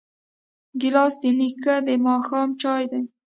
ګیلاس د نیکه د ماښام چایو دی.